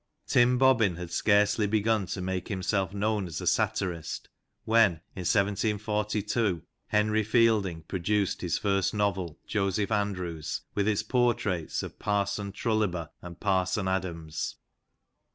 Tim Bobbin had scarcely begun to make himself known as a satirist, when (in 1742) Henry Fielding produced his first novel, Joseph Andrews, with its portraits of Parson Trulliber and Parson Adams.